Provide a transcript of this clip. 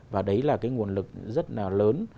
và đấy là cái nguồn lực rất là lớn